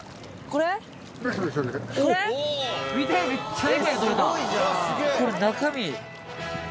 これ中身。